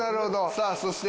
さあそして。